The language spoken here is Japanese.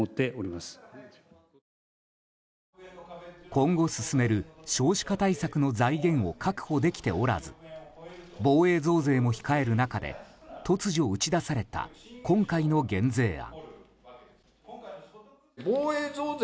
今後進める少子化対策の財源を確保できておらず防衛増税も控える中で突如打ち出された今回の減税案。